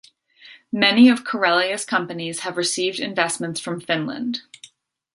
Many of Karelia's companies have received investments from Finland.